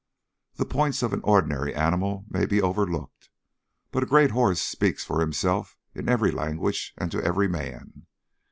The points of an ordinary animal may be overlooked, but a great horse speaks for himself in every language and to every man.